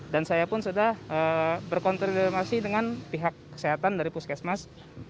dan saya pun sudah berkonfirmasi dengan pihak kesehatan dari puskesmas